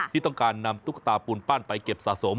ที่ต้องการนำตุ๊กตาปูนปั้นไปเก็บสะสม